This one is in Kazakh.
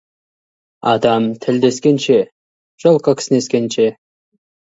Адам тілдескенше, жылқы кісінескенше.